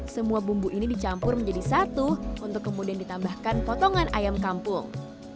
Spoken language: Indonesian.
semua bumbu ini dicampur menjadi satu untuk kemudian ditambahkan potongan ayam kampung